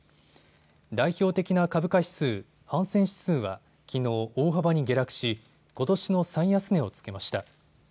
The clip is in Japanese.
代表的な株価指数、ハンセン指数はきのう大幅に下落しことしの最安値をつけました。